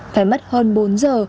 phải mất hơn bốn giờ